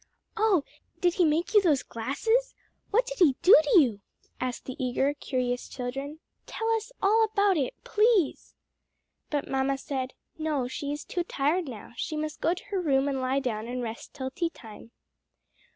"Oh, did he make you those glasses? what did he do to you?" asked the eager, curious children. "Tell us all about it, please." But mamma said, "No, she is too tired now; she must go to her room and lie down and rest till tea time."